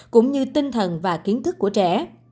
cũng như tinh thần và kiến thức của trẻ